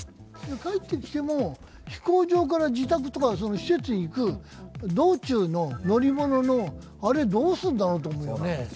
帰ってきても飛行場から自宅とか施設に行く道中の乗り物のあれ、どうするんだろうと思うね。